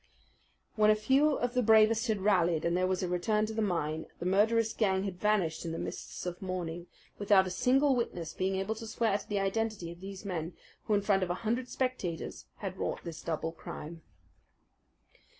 When a few of the bravest had rallied, and there was a return to the mine, the murderous gang had vanished in the mists of morning, without a single witness being able to swear to the identity of these men who in front of a hundred spectators had wrought this double crime.